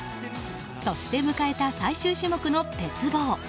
そして迎えた最終種目の鉄棒。